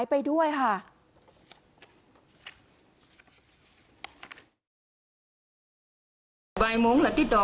กลุ่มตัวเชียงใหม่